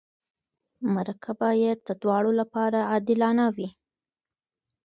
مرکه باید د دواړو لپاره عادلانه وي.